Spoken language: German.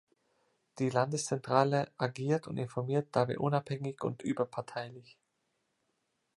Die Landeszentrale agiert und informiert dabei unabhängig und überparteilich.